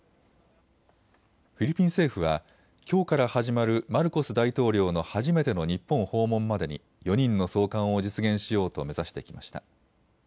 フィリピン政府はきょうから始まるマルコス大統領の初めての日本訪問までに４人の送還を実現しようと目指してきました。